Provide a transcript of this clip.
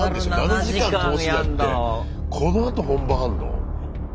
７時間通しでやってこのあと本番あんの？